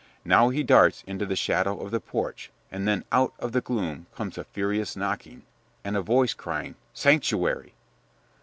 Now he darts into the shadow of the porch, and then out of the gloom comes a furious knocking, and a voice crying, 'Sanctuary!'